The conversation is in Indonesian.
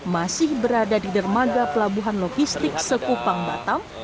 masih berada di dermaga pelabuhan logistik sekupang batam